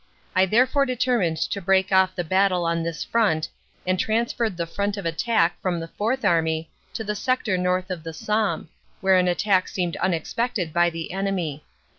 I therefore determined to break off the battle on this front, and transferred the front of attack from the Fourth Army to the sector north of the Somme, where an attack seemed unexpected by the enemy.